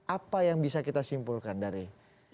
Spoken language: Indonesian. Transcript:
apa yang bisa kita simpulkan dari putusan itu